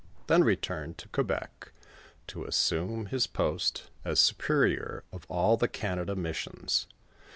then returned to Quebec to assume his prat as superior of all the Canada mis sions.